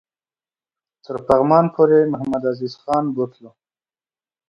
تر پغمان پوري محمدعزیز خان بوتلو.